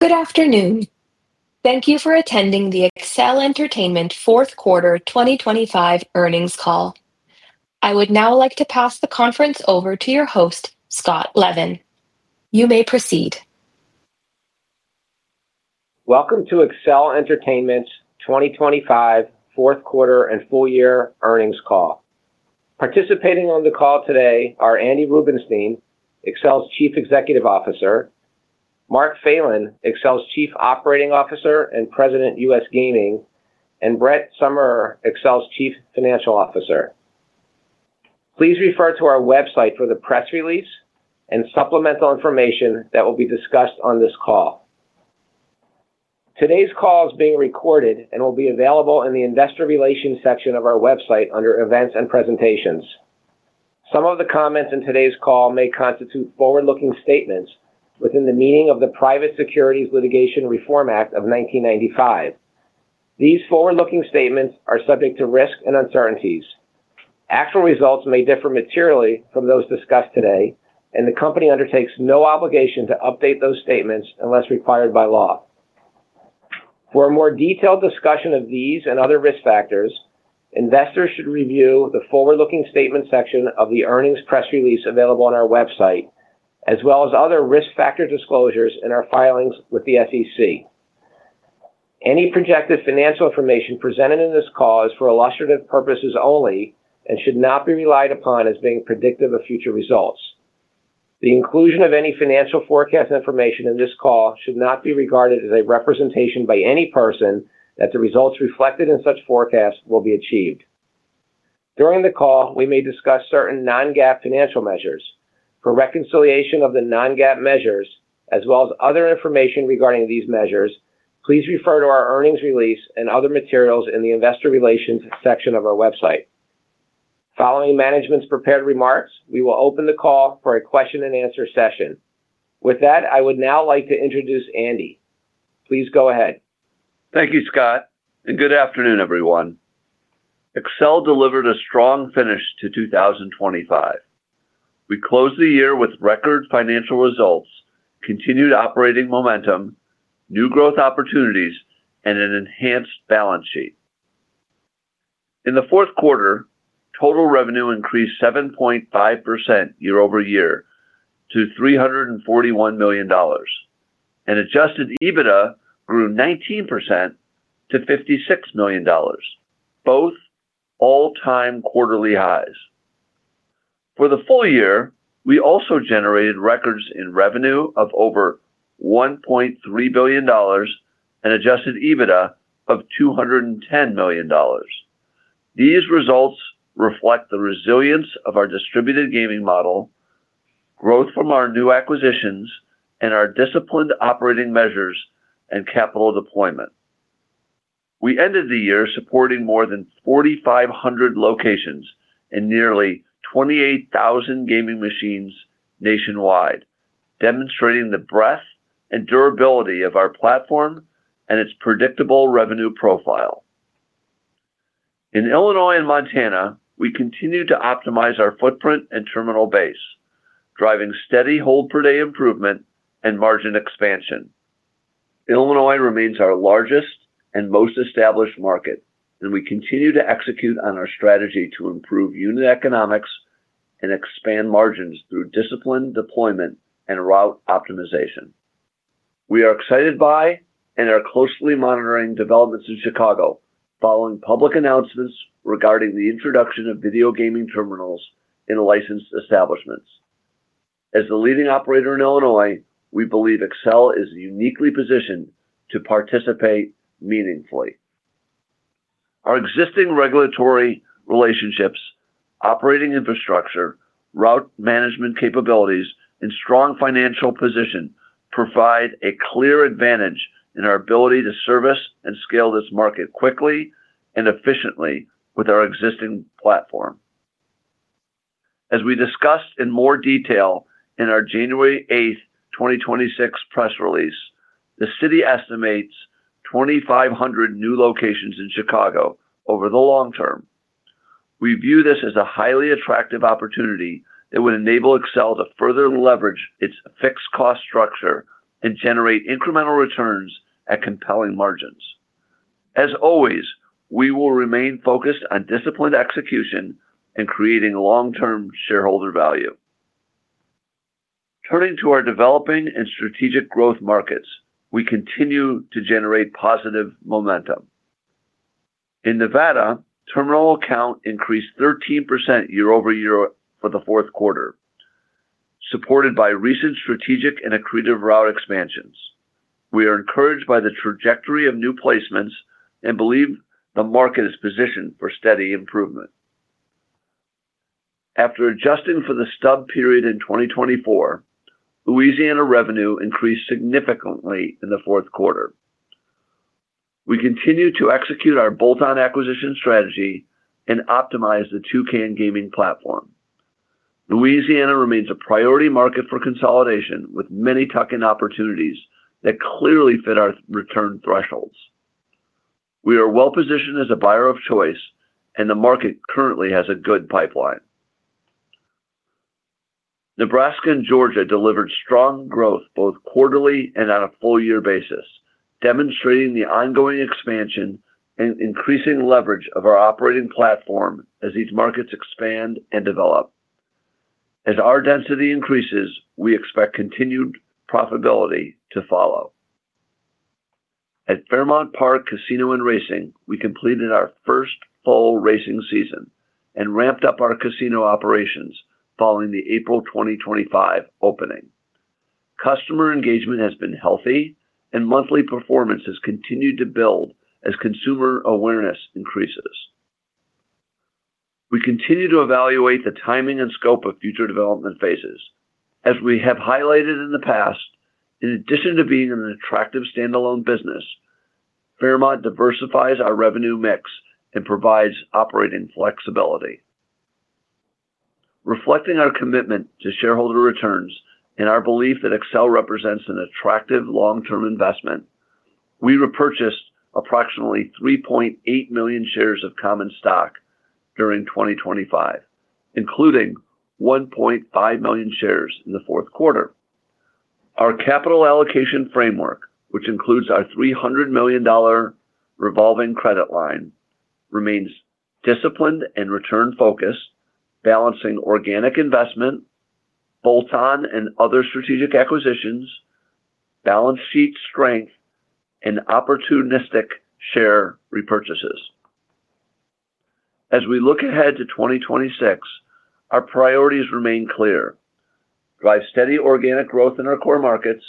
Good afternoon. Thank you for attending the Accel Entertainment Fourth Quarter 2025 Earnings Call. I would now like to pass the conference over to your host, Scott Levin. You may proceed. Welcome to Accel Entertainment's 2025 Fourth Quarter and Full Year Earnings Call. Participating on the call today are Andy Rubenstein, Accel's Chief Executive Officer; Mark Phelan, Accel's Chief Operating Officer and President, U.S. Gaming; and Brett Summerer, Accel's Chief Financial Officer. Please refer to our website for the press release and supplemental information that will be discussed on this call. Today's call is being recorded and will be available in the Investor Relations section of our website under events and presentations. Some of the comments in today's call may constitute forward-looking statements within the meaning of the Private Securities Litigation Reform Act of 1995. These forward-looking statements are subject to risks and uncertainties. Actual results may differ materially from those discussed today, and the company undertakes no obligation to update those statements unless required by law. For a more detailed discussion of these and other risk factors, investors should review the forward-looking statement section of the earnings press release available on our website, as well as other risk factor disclosures in our filings with the SEC. Any projected financial information presented in this call is for illustrative purposes only and should not be relied upon as being predictive of future results. The inclusion of any financial forecast information in this call should not be regarded as a representation by any person that the results reflected in such forecasts will be achieved. During the call, we may discuss certain non-GAAP financial measures. For reconciliation of the non-GAAP measures, as well as other information regarding these measures, please refer to our earnings release and other materials in the Investor Relations section of our website. Following management's prepared remarks, we will open the call for a question-and-answer session. With that, I would now like to introduce Andy. Please go ahead. Thank you, Scott. Good afternoon, everyone. Accel delivered a strong finish to 2025. We closed the year with record financial results, continued operating momentum, new growth opportunities, and an enhanced balance sheet. In the fourth quarter, total revenue increased 7.5% year-over-year to $341 million, and Adjusted EBITDA grew 19% to $56 million, both all-time quarterly highs. For the full year, we also generated records in revenue of over $1.3 billion and Adjusted EBITDA of $210 million. These results reflect the resilience of our distributed gaming model, growth from our new acquisitions, and our disciplined operating measures and capital deployment. We ended the year supporting more than 4,500 locations and nearly 28,000 gaming machines nationwide, demonstrating the breadth and durability of our platform and its predictable revenue profile. In Illinois and Montana, we continue to optimize our footprint and terminal base, driving steady hold-per-day improvement and margin expansion. Illinois remains our largest and most established market, we continue to execute on our strategy to improve unit economics and expand margins through disciplined deployment and route optimization. We are excited by and are closely monitoring developments in Chicago following public announcements regarding the introduction of video gaming terminals in licensed establishments. As the leading operator in Illinois, we believe Accel is uniquely positioned to participate meaningfully. Our existing regulatory relationships, operating infrastructure, route management capabilities, and strong financial position provide a clear advantage in our ability to service and scale this market quickly and efficiently with our existing platform. As we discussed in more detail in our January 8, 2026 press release, the city estimates 2,500 new locations in Chicago over the long term. We view this as a highly attractive opportunity that would enable Accel to further leverage its fixed cost structure and generate incremental returns at compelling margins. As always, we will remain focused on disciplined execution and creating long-term shareholder value. Turning to our developing and strategic growth markets, we continue to generate positive momentum. In Nevada, terminal count increased 13% year-over-year for the fourth quarter, supported by recent strategic and accretive route expansions. We are encouraged by the trajectory of new placements and believe the market is positioned for steady improvement. After adjusting for the stub period in 2024, Louisiana revenue increased significantly in the fourth quarter. We continue to execute our bolt-on acquisition strategy and optimize the Toucan Gaming platform. Louisiana remains a priority market for consolidation with many tuck-in opportunities that clearly fit our return thresholds. We are well-positioned as a buyer of choice, the market currently has a good pipeline. Nebraska and Georgia delivered strong growth both quarterly and on a full year basis, demonstrating the ongoing expansion and increasing leverage of our operating platform as these markets expand and develop. As our density increases, we expect continued profitability to follow. At Fairmount Park Casino & Racing, we completed our first full racing season and ramped up our casino operations following the April 2025 opening. Customer engagement has been healthy and monthly performance has continued to build as consumer awareness increases. We continue to evaluate the timing and scope of future development phases. As we have highlighted in the past, in addition to being an attractive standalone business, Fairmount diversifies our revenue mix and provides operating flexibility. Reflecting our commitment to shareholder returns and our belief that Accel represents an attractive long-term investment, we repurchased approximately 3.8 million shares of common stock during 2025, including 1.5 million shares in the fourth quarter. Our capital allocation framework, which includes our $300 million revolving credit line, remains disciplined and return-focused, balancing organic investment, bolt-on, and other strategic acquisitions, balance sheet strength, and opportunistic share repurchases. As we look ahead to 2026, our priorities remain clear: drive steady organic growth in our core markets,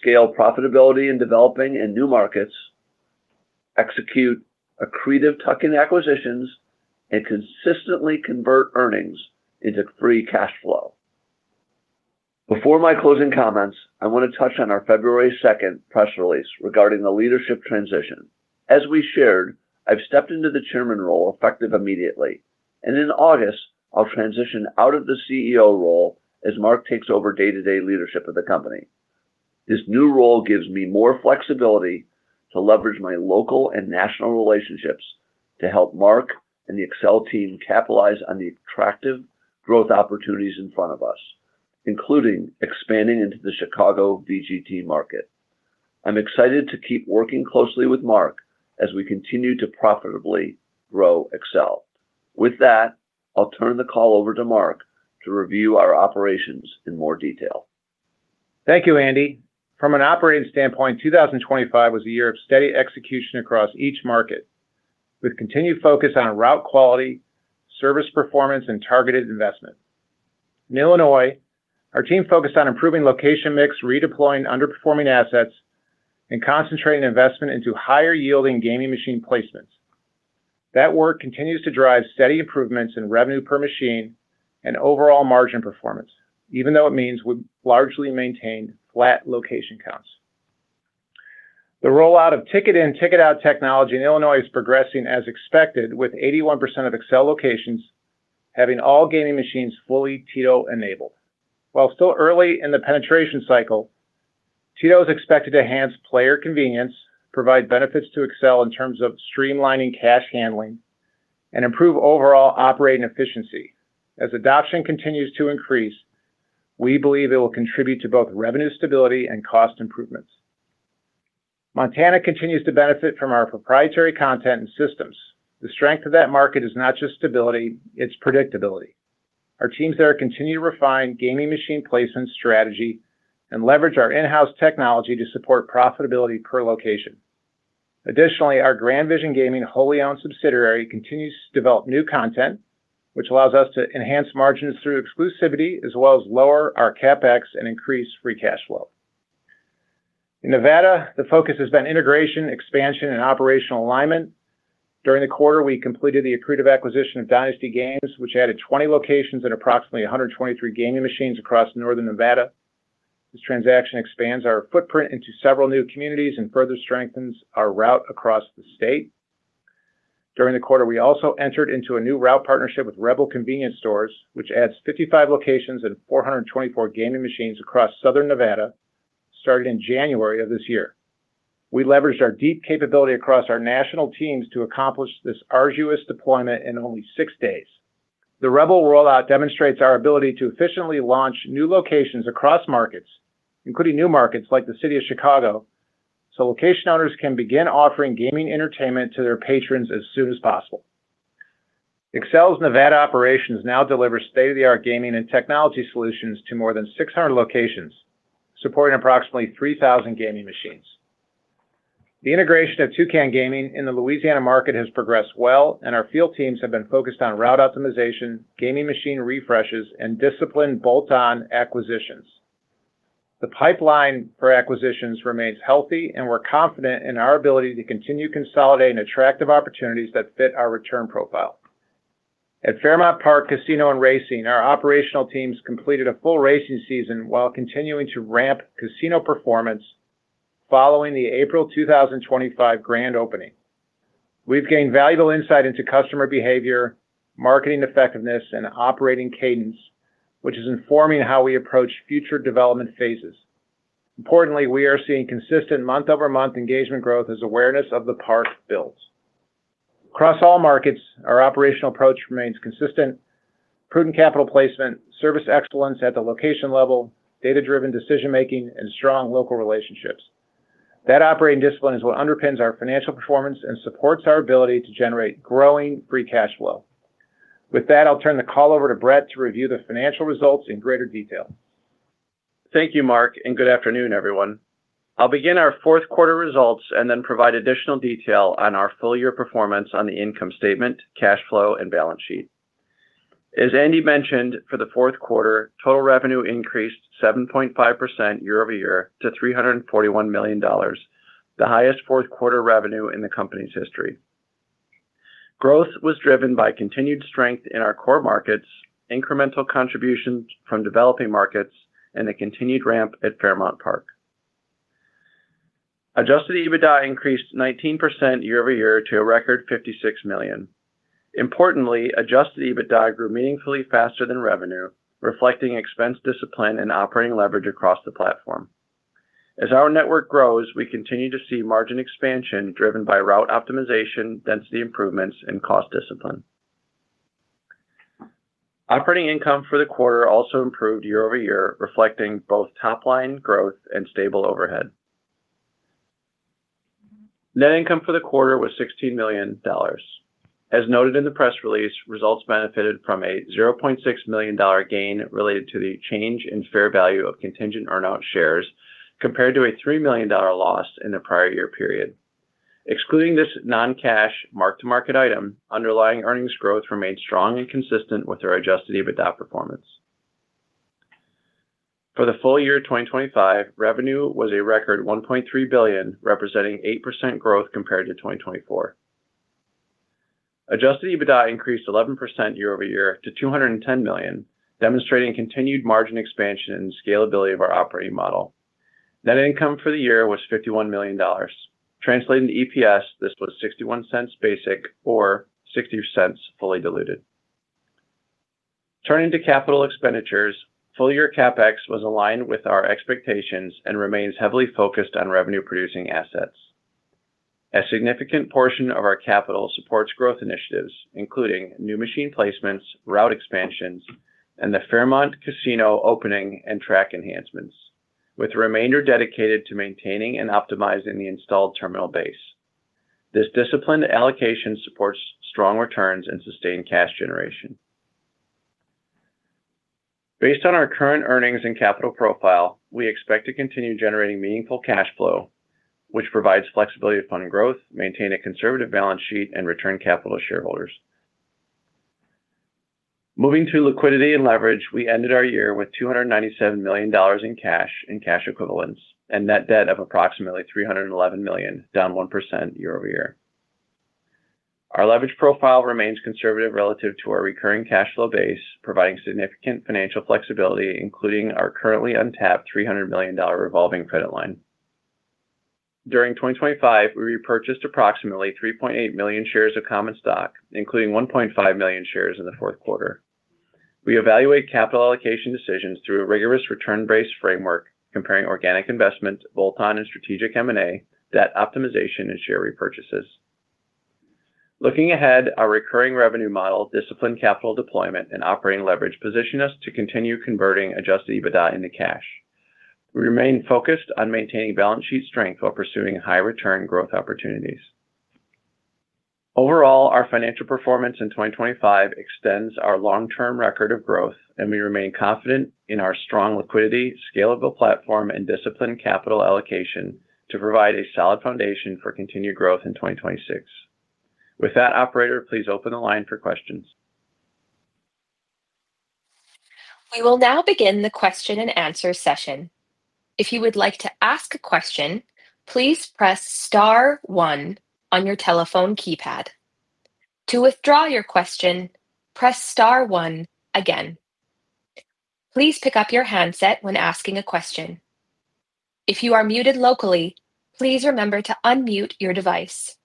scale profitability in developing and new markets, execute accretive tuck-in acquisitions, and consistently convert earnings into free cash flow. Before my closing comments, I wanna touch on our February 2nd press release regarding the leadership transition. As we shared, I've stepped into the chairman role effective immediately, and in August, I'll transition out of the CEO role as Mark takes over day-to-day leadership of the company. This new role gives me more flexibility to leverage my local and national relationships to help Mark and the Accel team capitalize on the attractive growth opportunities in front of us, including expanding into the Chicago VGT market. I'm excited to keep working closely with Mark as we continue to profitably grow Accel. With that, I'll turn the call over to Mark to review our operations in more detail. Thank you, Andy. From an operating standpoint, 2025 was a year of steady execution across each market with continued focus on route quality, service performance, and targeted investment. In Illinois, our team focused on improving location mix, redeploying underperforming assets, and concentrating investment into higher-yielding gaming machine placements. That work continues to drive steady improvements in revenue per machine and overall margin performance, even though it means we largely maintain flat location counts. The rollout of Ticket-In, Ticket-Out technology in Illinois is progressing as expected, with 81% of Accel locations having all gaming machines fully TITO-enabled. While still early in the penetration cycle, TITO is expected to enhance player convenience, provide benefits to Accel in terms of streamlining cash handling, and improve overall operating efficiency. As adoption continues to increase, we believe it will contribute to both revenue stability and cost improvements. Montana continues to benefit from our proprietary content and systems. The strength of that market is not just stability, it's predictability. Our teams there continue to refine gaming machine placement strategy and leverage our in-house technology to support profitability per location. Additionally, our Grand Vision Gaming wholly-owned subsidiary continues to develop new content, which allows us to enhance margins through exclusivity, as well as lower our CapEx and increase free cash flow. In Nevada, the focus has been integration, expansion, and operational alignment. During the quarter, we completed the accretive acquisition of Dynasty Games, which added 20 locations and approximately 123 gaming machines across northern Nevada. This transaction expands our footprint into several new communities and further strengthens our route across the state. During the quarter, we also entered into a new route partnership with Rebel Convenience Stores, which adds 55 locations and 424 gaming machines across southern Nevada, starting in January of this year. We leveraged our deep capability across our national teams to accomplish this arduous deployment in only six days. The Rebel rollout demonstrates our ability to efficiently launch new locations across markets, including new markets like the city of Chicago, so location owners can begin offering gaming entertainment to their patrons as soon as possible. Accel's Nevada operations now deliver state-of-the-art gaming and technology solutions to more than 600 locations, supporting approximately 3,000 gaming machines. The integration of Toucan Gaming in the Louisiana market has progressed well, and our field teams have been focused on route optimization, gaming machine refreshes, and disciplined bolt-on acquisitions. The pipeline for acquisitions remains healthy, and we're confident in our ability to continue consolidating attractive opportunities that fit our return profile. At Fairmount Park Casino & Racing, our operational teams completed a full racing season while continuing to ramp casino performance following the April 2025 grand opening. We've gained valuable insight into customer behavior, marketing effectiveness, and operating cadence, which is informing how we approach future development phases. Importantly, we are seeing consistent month-over-month engagement growth as awareness of the park builds. Across all markets, our operational approach remains consistent. Prudent capital placement, service excellence at the location level, data-driven decision-making, and strong local relationships. That operating discipline is what underpins our financial performance and supports our ability to generate growing free cash flow. With that, I'll turn the call over to Brett to review the financial results in greater detail. Thank you, Mark, and good afternoon, everyone. I'll begin our fourth quarter results and then provide additional detail on our full-year performance on the income statement, cash flow, and balance sheet. As Andy mentioned, for the fourth quarter, total revenue increased 7.5% year-over-year to $341 million, the highest fourth quarter revenue in the company's history. Growth was driven by continued strength in our core markets, incremental contributions from developing markets, and the continued ramp at Fairmount Park. Adjusted EBITDA increased 19% year-over-year to a record $56 million. Importantly, Adjusted EBITDA grew meaningfully faster than revenue, reflecting expense discipline and operating leverage across the platform. As our network grows, we continue to see margin expansion driven by route optimization, density improvements, and cost discipline. Operating income for the quarter also improved year-over-year, reflecting both top-line growth and stable overhead. Net income for the quarter was $16 million. As noted in the press release, results benefited from a $0.6 million gain related to the change in fair value of contingent earnout shares compared to a $3 million loss in the prior year period. Excluding this non-cash mark-to-market item, underlying earnings growth remained strong and consistent with our Adjusted EBITDA performance. For the full year 2025, revenue was a record $1.3 billion, representing 8% growth compared to 2024. Adjusted EBITDA increased 11% year-over-year to $210 million, demonstrating continued margin expansion and scalability of our operating model. Net income for the year was $51 million. Translated into EPS, this was $0.61 basic or $0.60 fully diluted. Turning to full-year CapEx, full-year CapEx was aligned with our expectations and remains heavily focused on revenue-producing assets. A significant portion of our capital supports growth initiatives, including new machine placements, route expansions, and the Fairmount Casino opening and track enhancements, with the remainder dedicated to maintaining and optimizing the installed terminal base. This disciplined allocation supports strong returns and sustained cash generation. Based on our current earnings and capital profile, we expect to continue generating meaningful cash flow, which provides flexibility to fund growth, maintain a conservative balance sheet, and return capital to shareholders. Moving to liquidity and leverage, we ended our year with $297 million in cash and cash equivalents and net debt of approximately $311 million, down 1% year-over-year. Our leverage profile remains conservative relative to our recurring cash flow base, providing significant financial flexibility, including our currently untapped $300 million revolving credit line. During 2025, we repurchased approximately 3.8 million shares of common stock, including 1.5 million shares in the fourth quarter. We evaluate capital allocation decisions through a rigorous return-based framework comparing organic investment, bolt-on and strategic M&A, debt optimization, and share repurchases. Looking ahead, our recurring revenue model, disciplined capital deployment, and operating leverage position us to continue converting Adjusted EBITDA into cash. We remain focused on maintaining balance sheet strength while pursuing high return growth opportunities. Overall, our financial performance in 2025 extends our long-term record of growth, and we remain confident in our strong liquidity, scalable platform, and disciplined capital allocation to provide a solid foundation for continued growth in 2026. With that, Operator, please open the line for questions. We will now begin the question-and-answer session. If you would like to ask a question, please press star one on your telephone keypad. To withdraw your question, press star one again. Please pick up your handset when asking a question. If you are muted locally, please remember to unmute your device.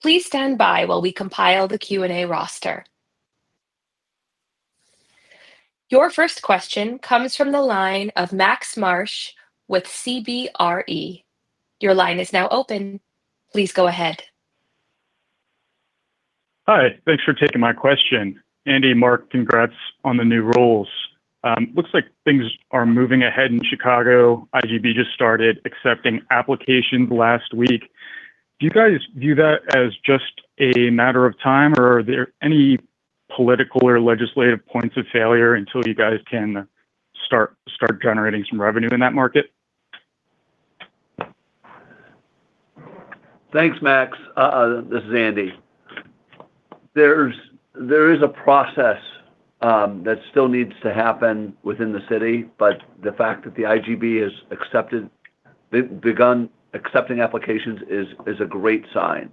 Please stand by while we compile the Q&A roster. Your first question comes from the line of Max Marsh with CBRE. Your line is now open. Please go ahead. Hi. Thanks for taking my question. Andy, Mark, congrats on the new roles. Looks like things are moving ahead in Chicago. IGB just started accepting applications last week. Do you guys view that as just a matter of time, or are there any political or legislative points of failure until you guys can start generating some revenue in that market? Thanks, Max. This is Andy. There is a process that still needs to happen within the city, but the fact that the IGB has accepted, they've begun accepting applications is a great sign.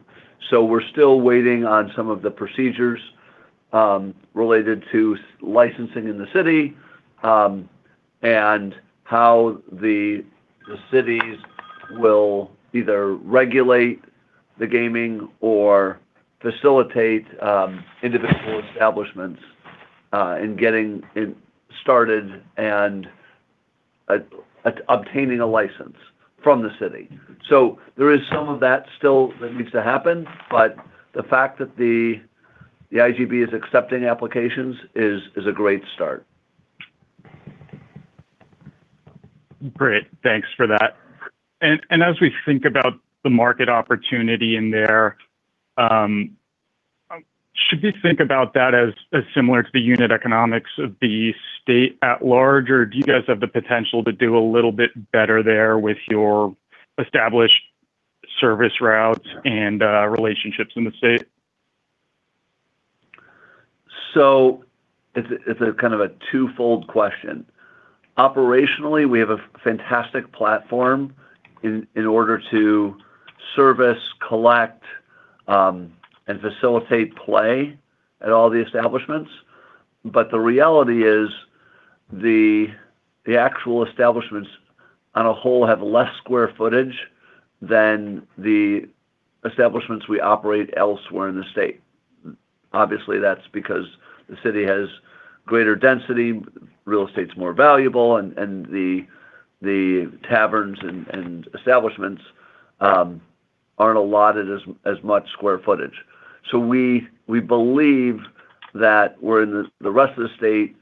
We're still waiting on some of the procedures related to licensing in the city, and how the cities will either regulate the gaming or facilitate individual establishments in getting it started and obtaining a license from the city. There is some of that still that needs to happen, but the fact that the IGB is accepting applications is a great start. Great. Thanks for that. As we think about the market opportunity in there, should we think about that as similar to the unit economics of the state at large, or do you guys have the potential to do a little bit better there with your established service routes and relationships in the state? It's a kind of a twofold question. Operationally, we have a fantastic platform in order to service, collect, and facilitate play at all the establishments. The reality is the actual establishments on a whole have less square footage than the establishments we operate elsewhere in the state. Obviously, that's because the city has greater density, real estate's more valuable, and the taverns and establishments aren't allotted as much square footage. We believe that we're in the rest of the state,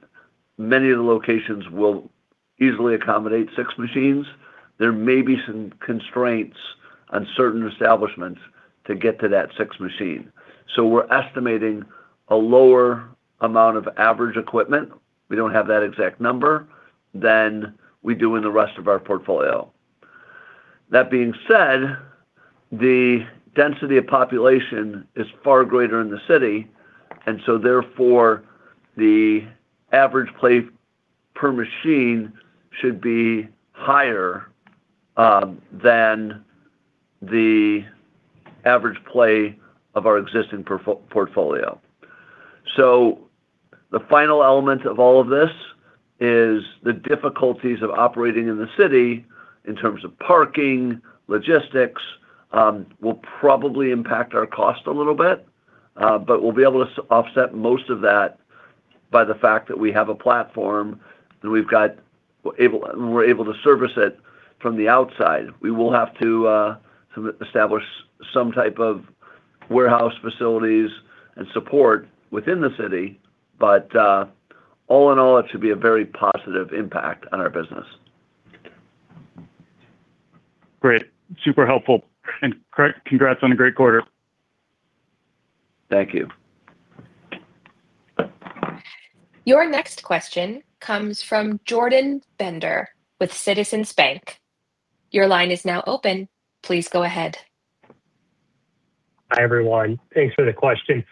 many of the locations will easily accommodate six machines. There may be some constraints on certain establishments to get to that sixth machine. We're estimating a lower amount of average equipment, we don't have that exact number, than we do in the rest of our portfolio. That being said, the density of population is far greater in the city, therefore the average play per machine should be higher than the average play of our existing portfolio. The final element of all of this is the difficulties of operating in the city in terms of parking, logistics, will probably impact our cost a little bit. We'll be able to offset most of that by the fact that we have a platform, and we're able to service it from the outside. We will have to establish some type of warehouse facilities and support within the city. All in all, it should be a very positive impact on our business. Great. Super helpful. Congrats on a great quarter. Thank you. Your next question comes from Jordan Bender with Citizens Bank. Your line is now open. Please go ahead. Hi, everyone. Thanks for the question.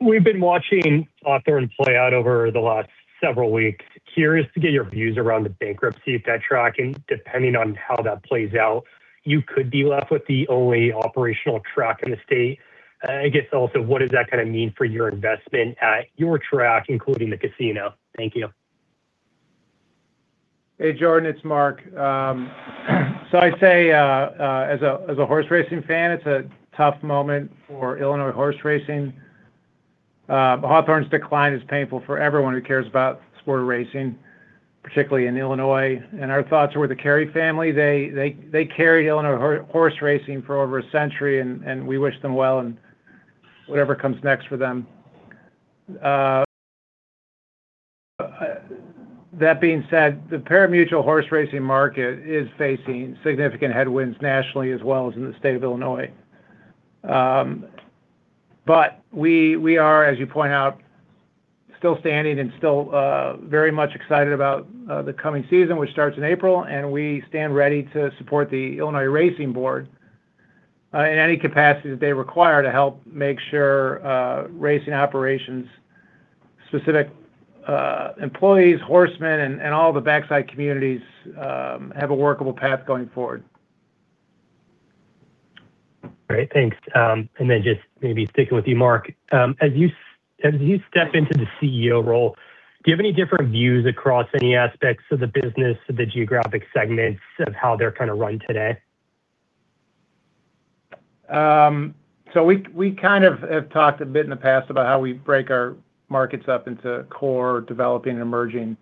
We've been watching Hawthorne play out over the last several weeks. Curious to get your views around the bankruptcy if that track, and depending on how that plays out, you could be left with the only operational track in the state. I guess also, what does that kind of mean for your investment, your track, including the casino? Thank you. Hey, Jordan. It's Mark. I say as a horse racing fan, it's a tough moment for Illinois horse racing. Hawthorne's decline is painful for everyone who cares about sport racing, particularly in Illinois. Our thoughts are with the Carey family. They carried Illinois horse racing for over a century, and we wish them well in whatever comes next for them. That being said, the pari-mutuel horse racing market is facing significant headwinds nationally as well as in the state of Illinois. We are, as you point out, still standing and still very much excited about the coming season, which starts in April, and we stand ready to support the Illinois Racing Board in any capacity that they require to help make sure racing operations, specific employees, horsemen and all the backside communities have a workable path going forward. Great. Thanks. Just maybe sticking with you, Mark. As you step into the CEO role, do you have any different views across any aspects of the business, of the geographic segments of how they're kind of run today? We kind of have talked a bit in the past about how we break our markets up into core, developing, and emerging.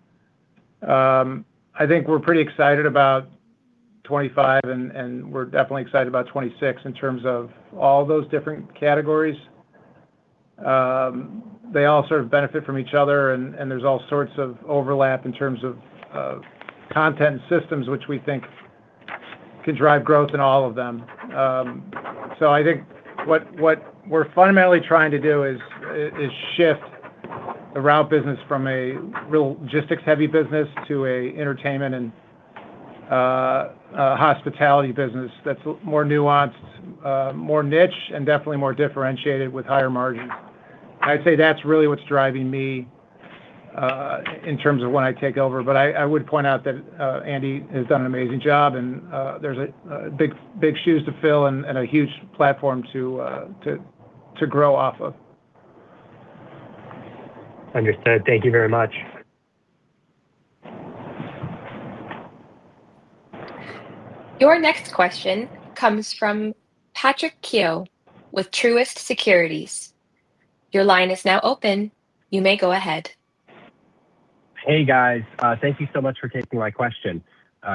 I think we're pretty excited about 2025 and we're definitely excited about 2026 in terms of all those different categories. They all sort of benefit from each other and there's all sorts of overlap in terms of content systems, which we think can drive growth in all of them. I think what we're fundamentally trying to do is shift the route business from a real logistics-heavy business to a entertainment and hospitality business that's more nuanced, more niche, and definitely more differentiated with higher margins. I'd say that's really what's driving me in terms of when I take over. I would point out that Andy has done an amazing job, and there's big shoes to fill and a huge platform to grow off of. Understood. Thank you very much. Your next question comes from Patrick Keough with Truist Securities. Your line is now open. You may go ahead. Hey, guys. Thank you so much for taking my question.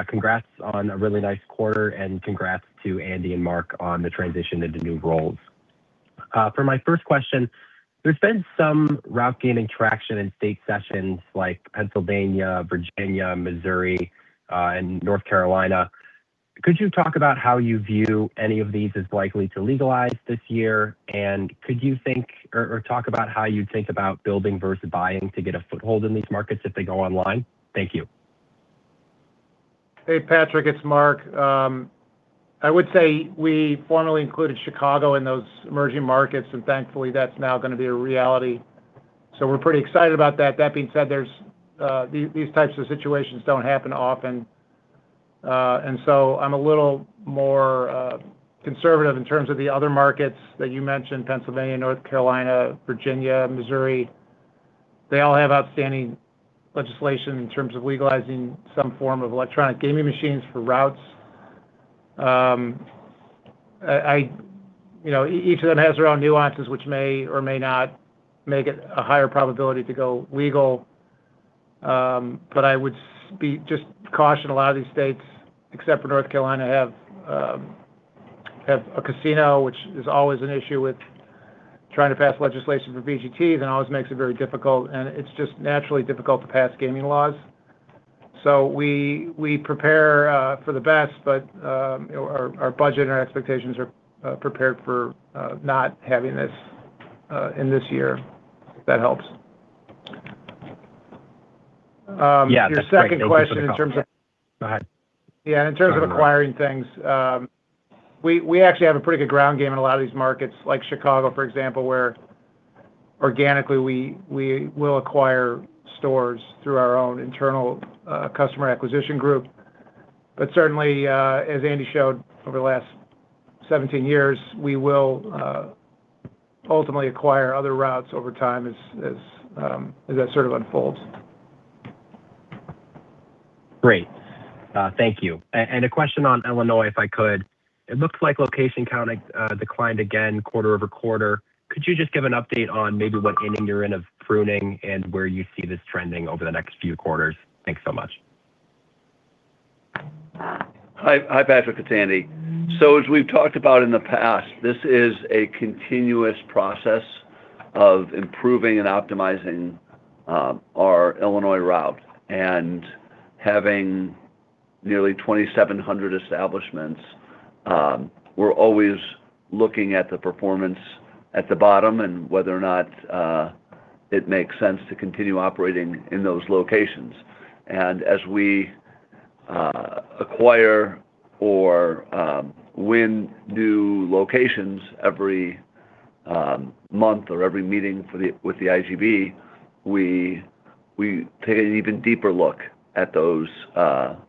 Congrats on a really nice quarter, and congrats to Andy and Mark on the transition into new roles. For my first question, there's been some route gaining traction in state sessions like Pennsylvania, Virginia, Missouri, and North Carolina. Could you talk about how you view any of these as likely to legalize this year? Could you think or talk about how you think about building versus buying to get a foothold in these markets if they go online? Thank you. Hey, Patrick. It's Mark. I would say we formally included Chicago in those emerging markets, thankfully, that's now gonna be a reality, we're pretty excited about that. That being said, there's these types of situations don't happen often, I'm a little more conservative in terms of the other markets that you mentioned, Pennsylvania, North Carolina, Virginia, Missouri. They all have outstanding legislation in terms of legalizing some form of electronic gaming machines for routes. You know, each of them has their own nuances which may or may not make it a higher probability to go legal. I would be just caution a lot of these states, except for North Carolina, have a casino, which is always an issue with trying to pass legislation for VGTs and always makes it very difficult, and it's just naturally difficult to pass gaming laws. We prepare for the best, but, you know, our budget and our expectations are prepared for not having this in this year, if that helps. Yeah. That's great. Your second question in terms of. Thank you for the call. Go ahead. Yeah. No, no. In terms of acquiring things, we actually have a pretty good ground game in a lot of these markets, like Chicago, for example, where organically, we will acquire stores through our own internal customer acquisition group. Certainly, as Andy showed over the last 17 years, we will ultimately acquire other routes over time as that sort of unfolds. Great. Thank you. A question on Illinois, if I could. It looks like location count declined again quarter-over-quarter. Could you just give an update on maybe what inning you're in of pruning and where you see this trending over the next few quarters? Thanks so much. Hi, Patrick. It's Andy. As we've talked about in the past, this is a continuous process of improving and optimizing our Illinois route. Having nearly 2,700 establishments, we're always looking at the performance at the bottom and whether or not it makes sense to continue operating in those locations. As we acquire or win new locations every month or every meeting with the IGB, we take an even deeper look at those locations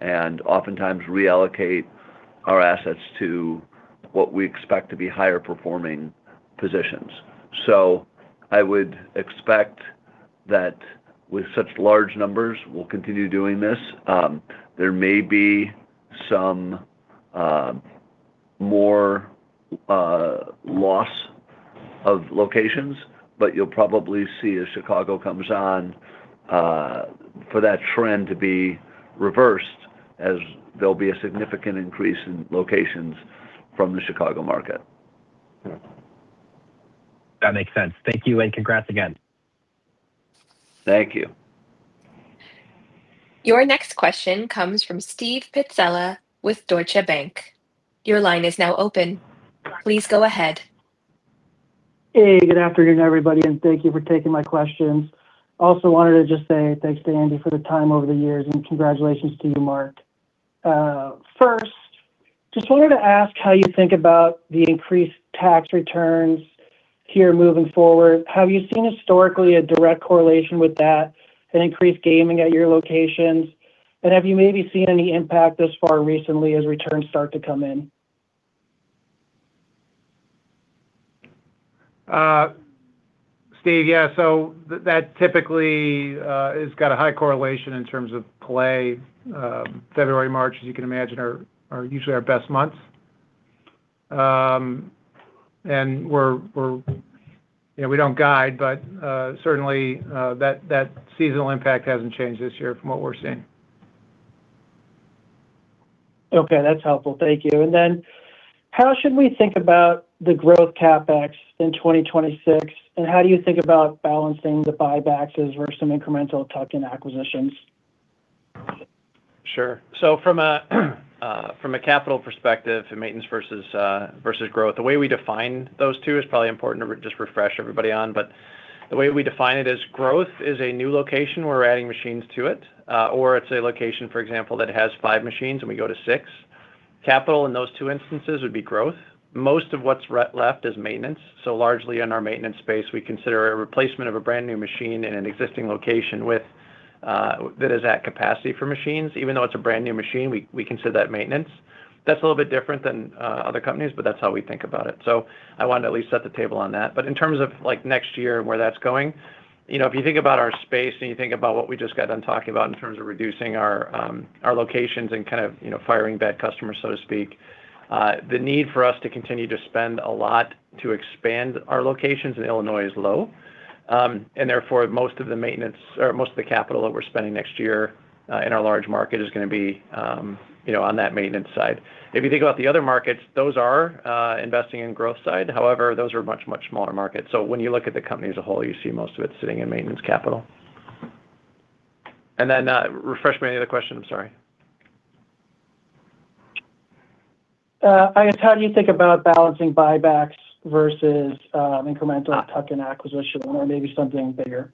and oftentimes reallocate our assets to what we expect to be higher-performing positions. I would expect that with such large numbers, we'll continue doing this. There may be some more loss of locations, but you'll probably see as Chicago comes on, for that trend to be reversed as there'll be a significant increase in locations from the Chicago market. That makes sense. Thank you, congrats again. Thank you. Your next question comes from Steve Pizzella with Deutsche Bank. Your line is now open. Please go ahead. Hey, good afternoon, everybody, and thank you for taking my questions. Also wanted to just say thanks to Andy for the time over the years, and congratulations to you, Mark. First, just wanted to ask how you think about the increased tax returns here moving forward. Have you seen historically a direct correlation with that and increased gaming at your locations? Have you maybe seen any impact thus far recently as returns start to come in? Steve, yeah, so that typically has got a high correlation in terms of play. February, March, as you can imagine, are usually our best months. You know, we don't guide, but certainly, that seasonal impact hasn't changed this year from what we're seeing. Okay. That's helpful. Thank you. How should we think about the growth CapEx in 2026, and how do you think about balancing the buybacks versus some incremental tuck-in acquisitions? Sure. From a, from a capital perspective to maintenance versus growth, the way we define those two is probably important to just refresh everybody on. The way we define it is growth is a new location, we're adding machines to it, or it's a location, for example, that has five machines, and we go to six. Capital in those two instances would be growth. Most of what's left is maintenance. Largely in our maintenance space, we consider a replacement of a brand-new machine in an existing location with, that is at capacity for machines. Even though it's a brand-new machine, we consider that maintenance. That's a little bit different than other companies, that's how we think about it. I wanted to at least set the table on that. In terms of, like, next year and where that's going, you know, if you think about our space and you think about what we just got done talking about in terms of reducing our locations and kind of, you know, firing bad customers, so to speak, the need for us to continue to spend a lot to expand our locations in Illinois is low. Therefore, most of the capital that we're spending next year in our large market is gonna be, you know, on that maintenance side. If you think about the other markets, those are investing in growth side. However, those are much smaller markets. When you look at the company as a whole, you see most of it sitting in maintenance capital. Then, refresh my other question. I'm sorry. I guess how do you think about balancing buybacks versus incremental tuck-in acquisition or maybe something bigger?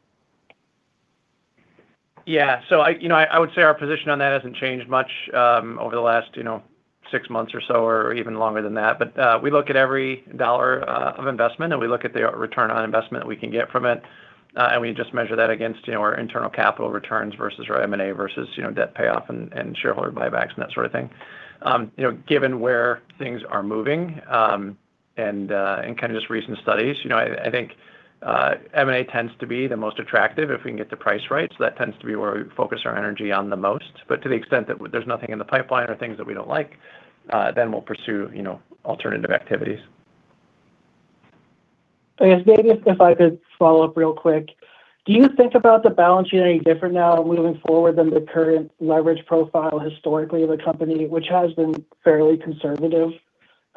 I, you know, I would say our position on that hasn't changed much, over the last, you know, six months or so or even longer than that. We look at every dollar of investment, and we look at the return on investment we can get from it, and we just measure that against, you know, our internal capital returns versus our M&A versus, you know, debt payoff and shareholder buybacks and that sort of thing. Given where things are moving, and kind of just recent studies, you know, I think M&A tends to be the most attractive if we can get the price right. That tends to be where we focus our energy on the most. To the extent that there's nothing in the pipeline or things that we don't like, then we'll pursue, you know, alternative activities. I guess maybe if I could follow up real quick. Do you think about the balance sheet any different now moving forward than the current leverage profile historically of the company, which has been fairly conservative?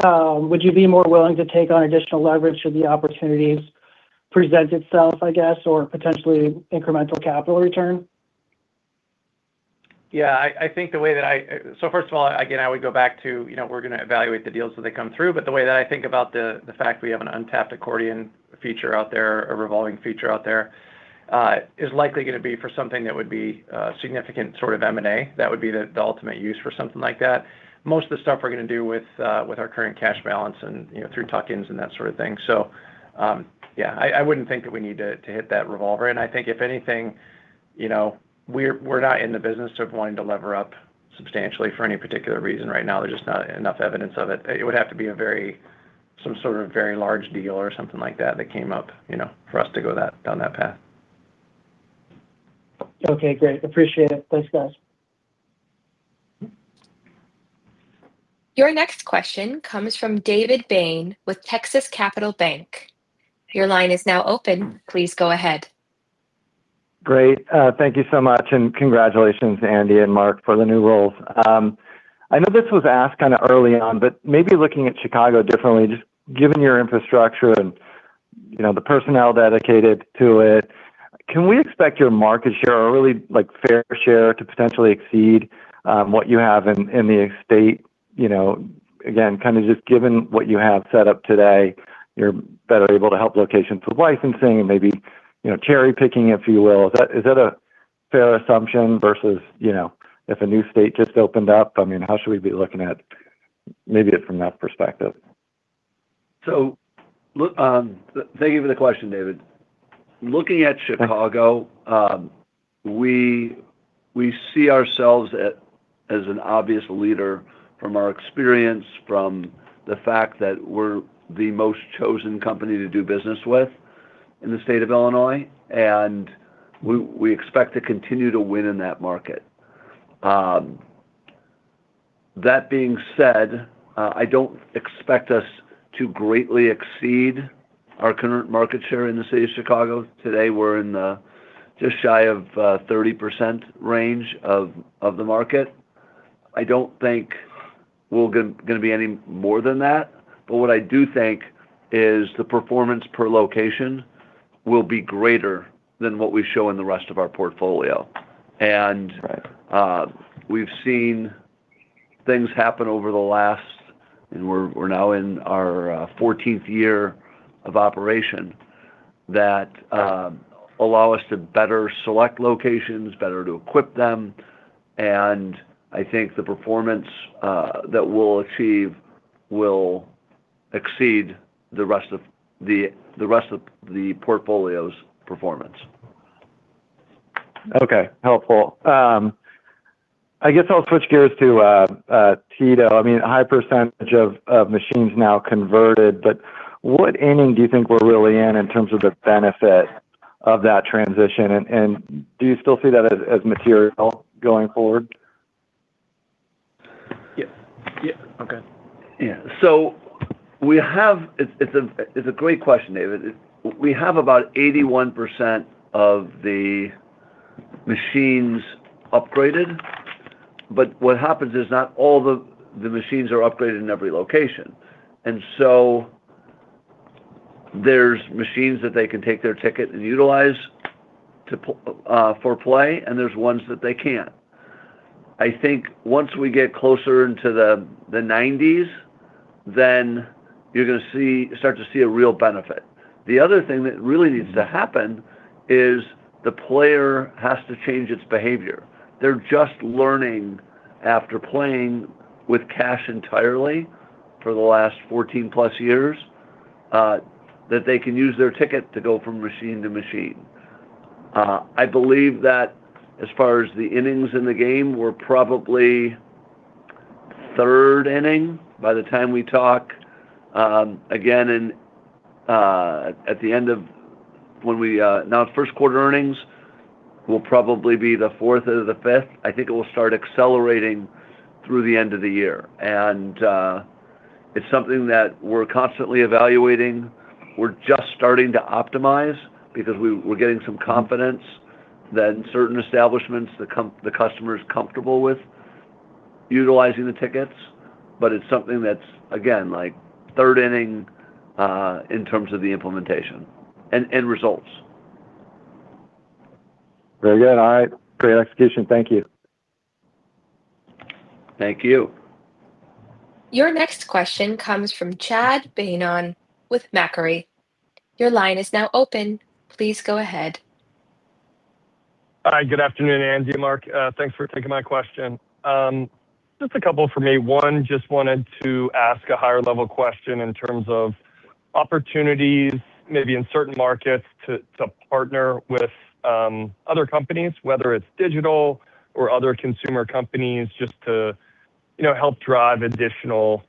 Would you be more willing to take on additional leverage should the opportunities present itself, I guess, or potentially incremental capital return? Yeah. I think the way that first of all, again, I would go back to, you know, we're gonna evaluate the deals as they come through, but the way that I think about the fact we have an untapped accordion feature out there, a revolving feature out there, is likely gonna be for something that would be significant sort of M&A. That would be the ultimate use for something like that. Most of the stuff we're gonna do with our current cash balance and, you know, through tuck-ins and that sort of thing. Yeah, I wouldn't think that we need to hit that revolver, and I think if anything, you know, we're not in the business of wanting to lever up substantially for any particular reason right now. There's just not enough evidence of it. It would have to be some sort of very large deal or something like that that came up, you know, for us to go that, down that path. Okay, great. Appreciate it. Thanks, guys. Your next question comes from David Bain with Texas Capital Bank. Your line is now open. Please go ahead. Great. Thank you so much, and congratulations, Andy and Mark, for the new roles. I know this was asked kinda early on, but maybe looking at Chicago differently, just given your infrastructure and, you know, the personnel dedicated to it, can we expect your market share or really, like, fair share to potentially exceed what you have in the state, you know, again, kinda just given what you have set up today, you're better able to help locations with licensing and maybe, you know, cherry-picking, if you will. Is that a fair assumption versus, you know, if a new state just opened up? I mean, how should we be looking at maybe it from that perspective? Look, thank you for the question, David. Looking at Chicago- Mm-hmm We see ourselves as an obvious leader from our experience, from the fact that we're the most chosen company to do business with in the state of Illinois. We expect to continue to win in that market. That being said, I don't expect us to greatly exceed our current market share in the city of Chicago. Today, we're in just shy of 30% range of the market. I don't think we're gonna be any more than that. What I do think is the performance per location will be greater than what we show in the rest of our portfolio. Right... we've seen things happen over the last, and we're now in our 14th year of operation, that allow us to better select locations, better to equip them, and I think the performance that we'll achieve will exceed the rest of the portfolio's performance. Okay. Helpful. I guess I'll switch gears to TITO. I mean, a high % of machines now converted, but what inning do you think we're really in in terms of the benefit of that transition? Do you still see that as material going forward? Yeah. Yeah. Okay. We have. It's a great question, David. We have about 81% of the machines upgraded, but what happens is not all the machines are upgraded in every location. There's machines that they can take their ticket and utilize for play, and there's ones that they can't. I think once we get closer into the 90s, then you're gonna start to see a real benefit. The other thing that really needs to happen is the player has to change its behavior. They're just learning after playing with cash entirely for the last 14+ years that they can use their ticket to go from machine to machine. I believe that as far as the innings in the game, we're probably third inning by the time we talk again in at the end of when we announce first quarter earnings, we'll probably be the fourth or the fifth. I think it will start accelerating through the end of the year. It's something that we're constantly evaluating. We're just starting to optimize because we're getting some confidence that in certain establishments the customer is comfortable with utilizing the tickets, but it's something that's again like third inning in terms of the implementation and results. Very good. All right. Great execution. Thank you. Thank you. Your next question comes from Chad Beynon with Macquarie. Your line is now open. Please go ahead. Hi. Good afternoon, Andy and Mark. Thanks for taking my question. Just a couple from me. One, just wanted to ask a higher level question in terms of opportunities maybe in certain markets to partner with, other companies, whether it's digital or other consumer companies, just to, you know, help drive additional,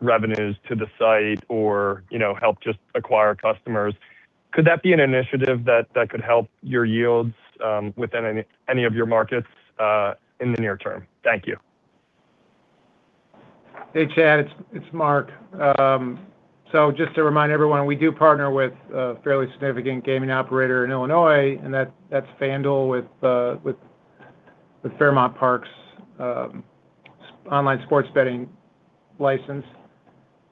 revenues to the site or, you know, help just acquire customers. Could that be an initiative that could help your yields, within any of your markets, in the near term? Thank you. Hey, Chad, it's Mark. Just to remind everyone, we do partner with a fairly significant gaming operator in Illinois, and that's FanDuel with Fairmount Park's online sports betting license.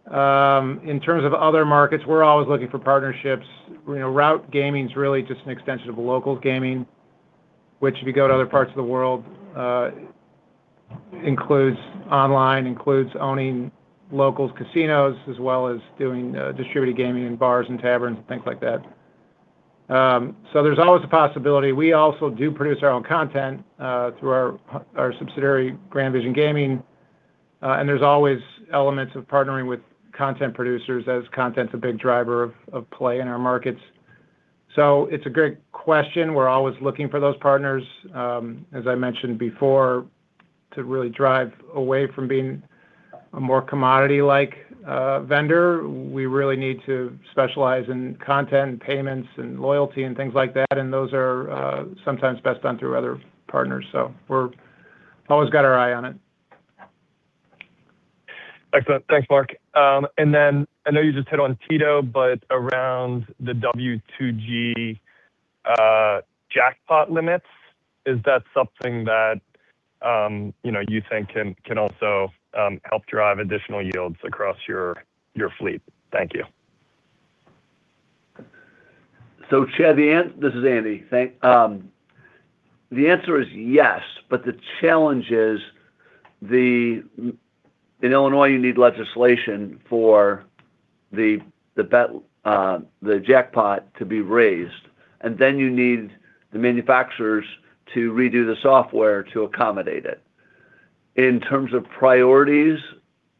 In terms of other markets, we're always looking for partnerships. You know, route gaming's really just an extension of a local gaming, which if you go to other parts of the world, includes online, includes owning local casinos as well as doing distributed gaming in bars and taverns, things like that. There's always a possibility. We also do produce our own content through our subsidiary, Grand Vision Gaming, there's always elements of partnering with content producers as content's a big driver of play in our markets. It's a great question. We're always looking for those partners. As I mentioned before, to really drive away from being a more commodity-like vendor, we really need to specialize in content, payments and loyalty and things like that, and those are sometimes best done through other partners. We're always got our eye on it. Excellent. Thanks, Mark. Then I know you just hit on TITO, but around the W-2G jackpot limits, is that something that, you know, you think can also help drive additional yields across your fleet? Thank you. Chad, this is Andy. The answer is yes, but the challenge is the... In Illinois, you need legislation for the bet, the jackpot to be raised, and then you need the manufacturers to redo the software to accommodate it. In terms of priorities,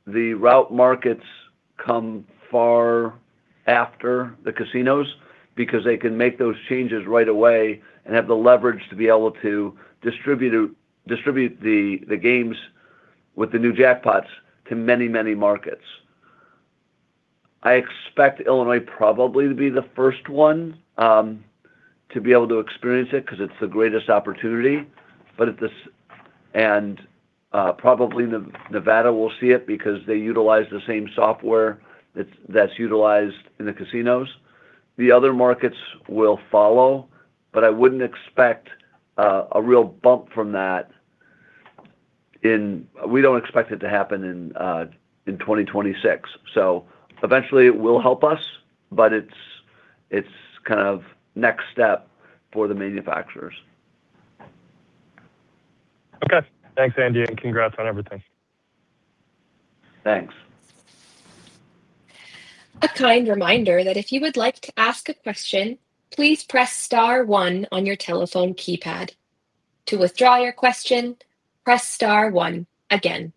the route markets come far after the casinos because they can make those changes right away and have the leverage to be able to distribute the games with the new jackpots to many, many markets. I expect Illinois probably to be the first one to be able to experience it 'cause it's the greatest opportunity. Probably Nevada will see it because they utilize the same software that's utilized in the casinos. The other markets will follow, I wouldn't expect a real bump from that in... We don't expect it to happen in 2026. Eventually it will help us, but it's kind of next step for the manufacturers. Okay. Thanks, Andy, and congrats on everything. Thanks. A kind reminder that if you would like to ask a question, please press star one on your telephone keypad. To withdraw your question, press star one again.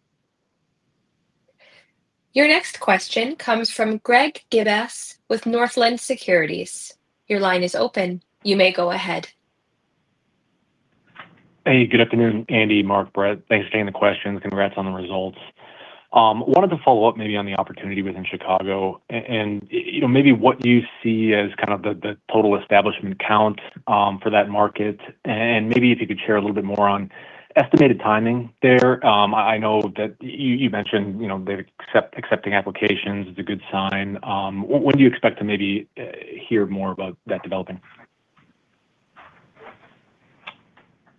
Your next question comes from Greg Gibas with Northland Securities. Your line is open. You may go ahead. Hey, good afternoon, Andy, Mark, Brett. Thanks for taking the questions. Congrats on the results. Wanted to follow up maybe on the opportunity within Chicago and, you know, maybe what you see as kind of the total establishment count for that market, and maybe if you could share a little bit more on estimated timing there. I know that you mentioned, you know, they're accepting applications is a good sign. When do you expect to maybe hear more about that developing?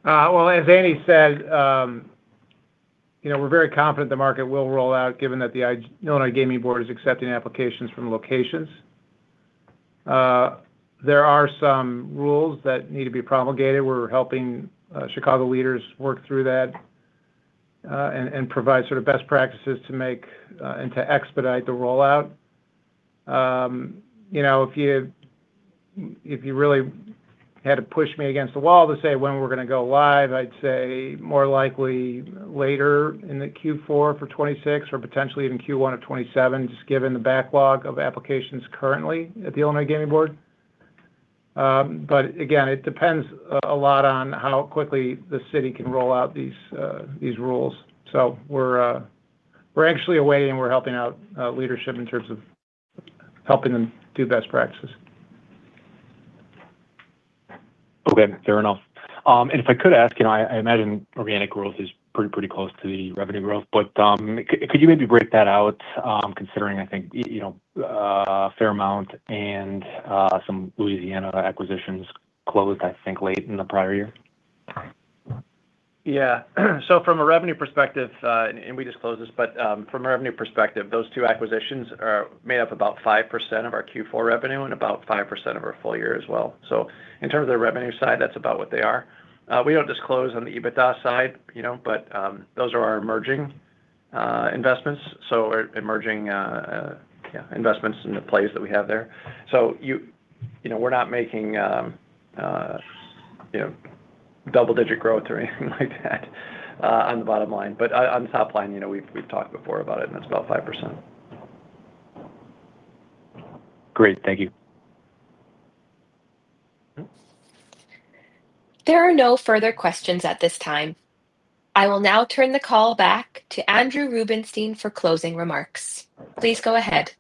Well, as Andy said, you know, we're very confident the market will roll out given that the Illinois Gaming Board is accepting applications from locations. There are some rules that need to be promulgated. We're helping Chicago leaders work through that, and provide sort of best practices to make, and to expedite the rollout. You know, if you, if you really had to push me against the wall to say when we're gonna go live, I'd say more likely later in the Q4 for 2026 or potentially even Q1 of 2027, just given the backlog of applications currently at the Illinois Gaming Board. Again, it depends a lot on how quickly the city can roll out these rules. We're actually away, and we're helping out leadership in terms of helping them do best practices. Okay. Fair enough. If I could ask, you know, I imagine organic growth is pretty close to the revenue growth, but could you maybe break that out, considering I think, you know, a fair amount and some Louisiana acquisitions closed, I think, late in the prior year? From a revenue perspective, and we disclosed this, but from a revenue perspective, those two acquisitions made up about 5% of our Q4 revenue and about 5% of our full year as well. In terms of the revenue side, that's about what they are. We don't disclose on the EBITDA side, you know, but those are our emerging investments, so we're emerging, yeah, investments in the plays that we have there. You know, we're not making, you know, double-digit growth or anything like that on the bottom line. On the top line, you know, we've talked before about it, that's about 5%. Great. Thank you. There are no further questions at this time. I will now turn the call back to Andrew Rubenstein for closing remarks. Please go ahead.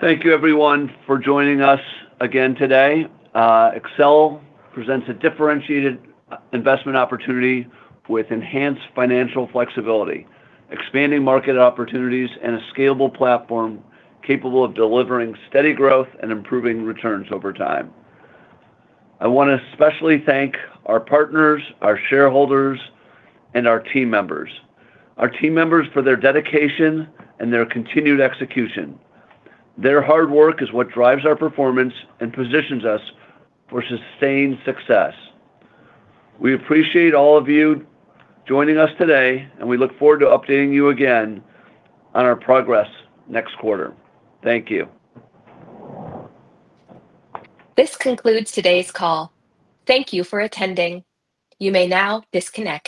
Thank you, everyone, for joining us again today. Accel presents a differentiated investment opportunity with enhanced financial flexibility, expanding market opportunities, and a scalable platform capable of delivering steady growth and improving returns over time. I wanna especially thank our partners, our shareholders, and our team members. Our team members for their dedication and their continued execution. Their hard work is what drives our performance and positions us for sustained success. We appreciate all of you joining us today, and we look forward to updating you again on our progress next quarter. Thank you. This concludes today's call. Thank you for attending. You may now disconnect.